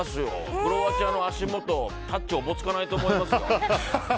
クロアチアの足元おぼつかないと思いますよ。